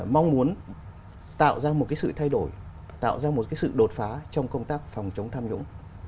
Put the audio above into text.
mong muốn tạo ra một cái sự thay đổi tạo ra một cái sự đột phá trong công tác phòng chống tham nhũng